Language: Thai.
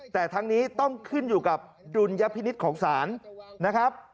แต่ทั้งนี้ต้องขึ้นอยู่กับดุลยพินิษฐ์ของศาลนะครับ